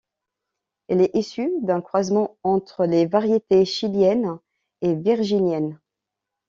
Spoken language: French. Elle est issue d'un croisement entre des variétés chiliennes et virginiennes.